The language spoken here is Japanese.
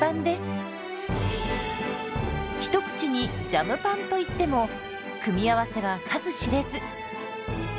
一口に「ジャムパン」といっても組み合わせは数知れず。